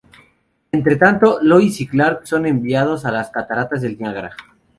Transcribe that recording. Entre tanto, Lois y Clark son enviados a las Cataratas del Niágara.